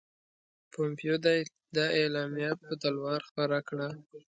پومپیو دا اعلامیه په تلوار خپره کړه.